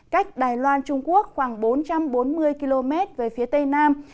cách đài loan trung quốc khoảng bốn trăm bốn mươi km về phía tây nam